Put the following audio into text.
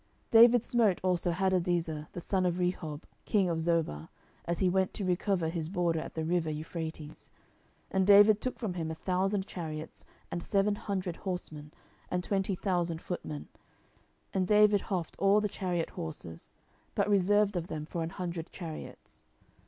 10:008:003 David smote also Hadadezer, the son of Rehob, king of Zobah, as he went to recover his border at the river Euphrates. 10:008:004 And David took from him a thousand chariots, and seven hundred horsemen, and twenty thousand footmen: and David houghed all the chariot horses, but reserved of them for an hundred chariots.